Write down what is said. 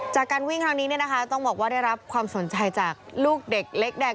จากการวิ่งครั้งนี้ต้องบอกว่าได้รับความสนใจจากลูกเด็กเล็กแดง